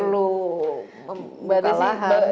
perlu pembukaan lahan